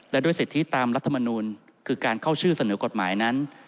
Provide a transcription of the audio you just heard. และด้วยสิทธิตามรัฐมนูลคือการเข้าชื่อเสนอกฎหมายนั้น